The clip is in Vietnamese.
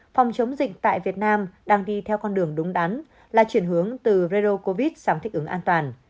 phòng chống dịch tại việt nam đang đi theo con đường đúng đắn là chuyển hướng từ redo covid sang thích ứng an toàn